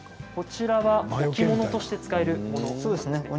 こちらは置物として使えるものなんですね。